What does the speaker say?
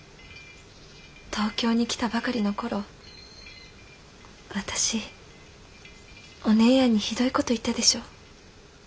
東京に来たばかりの頃私お姉やんにひどい事言ったでしょう？